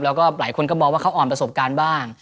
แล้วก็หลายคนก็มองว่าเขาอ่อนประสบการณ์บ้าง